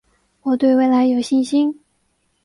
我对未来有信心